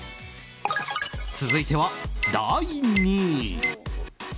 続いては、第２位。